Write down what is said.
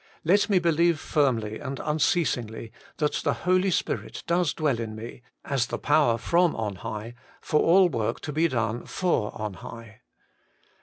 Let me believe firmly and unceasingly that the Holy Spirit does dwell in me, as the power ,from on high, for all work to be done for on high.